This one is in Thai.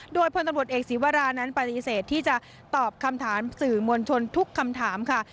โดยพลตำรวจเอกศีวรานั้นปฏิเสธที่จะตอบคำถามสื่อมวลชนทุกคำถามค่ะ